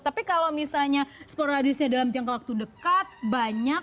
tapi kalau misalnya sporadisnya dalam jangka waktu dekat banyak